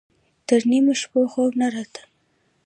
تر نيمو شپو خوب نه راته.